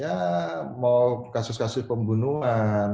ya mau kasus kasus pembunuhan